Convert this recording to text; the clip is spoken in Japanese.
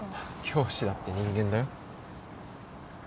教師だって人間だよ。